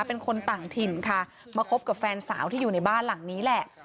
เป็นคนต่างถิ่นค่ะมาคบกับแฟนสาวที่อยู่ในบ้านหลังนี้แหละ